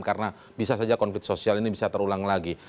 karena bisa saja konflik sosial ini bisa terulang lagi